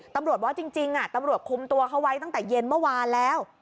ตำรวจว่าจริงตำรวจคุมตัวเขาไว้ตั้งแต่เย็นเมื่อวานแล้ว